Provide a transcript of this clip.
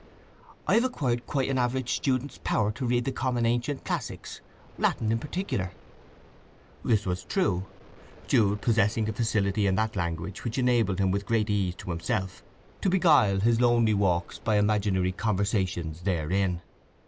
"I have acquired quite an average student's power to read the common ancient classics, Latin in particular." This was true, Jude possessing a facility in that language which enabled him with great ease to himself to beguile his lonely walks by imaginary conversations therein.